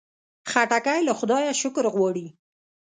خټکی له خدایه شکر غواړي.